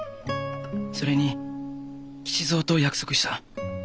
それに吉蔵と約束した。